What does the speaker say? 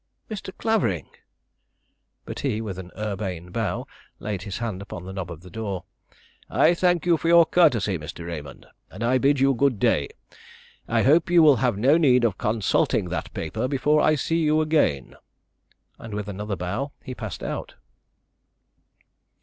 '" "Mr. Clavering!" But he, with an urbane bow, laid his hand upon the knob of the door. "I thank you for your courtesy, Mr. Raymond, and I bid you good day. I hope you will have no need of consulting that paper before I see you again." And with another bow, he passed out.